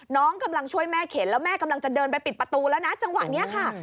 น้องกำลังช่วยแม่เข็นแล้วแม่กำลังจะเดินไปปิดประตูแล้วนะจังหวะนี้ค่ะ